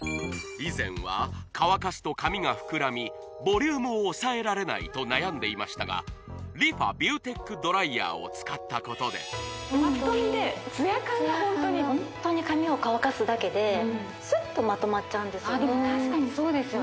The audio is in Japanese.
以前は乾かすと髪が膨らみボリュームを抑えられないと悩んでいましたがＲｅＦａビューテックドライヤーを使ったことで・パッと見でツヤ感がホントにホントに髪を乾かすだけでスッとまとまっちゃうんですよ・